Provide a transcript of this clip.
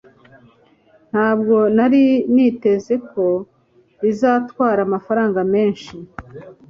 Ntabwo nari niteze ko bizatwara amafaranga menshi